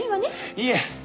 いえ。